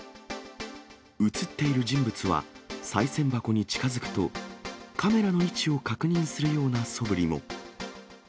写っている人物は、さい銭箱に近づくと、カメラの位置を確認するようなそぶりも。